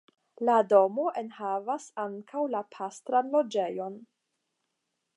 La domo enhavas ankaŭ la pastran loĝejon.